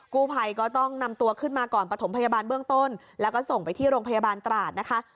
กู้ภัยก็ต้องนำตัวขึ้นมาก่อนประถมพยาบาลเบื้องต้นแล้วก็ส่งไปที่โรงพยาบาลตราดนะคะ